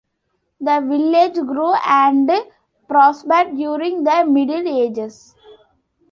The village grew and prospered during the Middle Ages.